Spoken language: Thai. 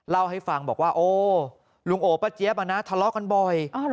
เล่าให้ฟังบอกว่าโอ้ลุงโอป้าเจี๊ยบทะเลาะกันบ่อย